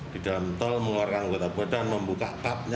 di dalam tol mengeluarkan kota badan membuka kapnya